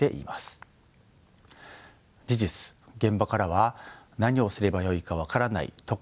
事実現場からは何をすればよいか分からないとか